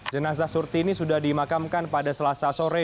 jenazah surtini sudah dimakamkan pada selasa sore